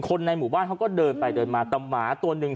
ในหมู่บ้านเขาก็เดินไปเดินมาแต่หมาตัวหนึ่ง